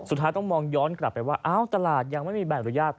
สุดท้ายต้องมองย้อนกลับไปว่าอ้าวตลาดยังไม่มีใบอนุญาต